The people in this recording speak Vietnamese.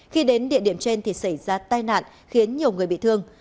khi đến địa điểm trên thì xảy ra tai nạn khiến nhiều người bị thương